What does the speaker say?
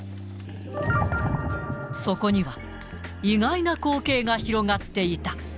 そこには、意外な光景が広がっていた。